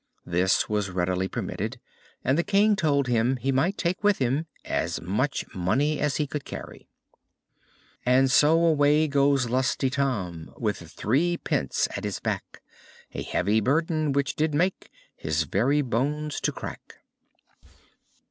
This was readily permitted, and the King told him he might take with him as much money as he could carry. And so away goes lusty Tom, With three pence at his back A heavy burthen which did make His very bones to crack.